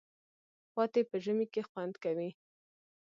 پاتې په ژمي کی خوندکوی